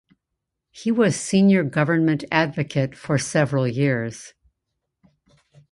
He was Senior Government Advocate for several years.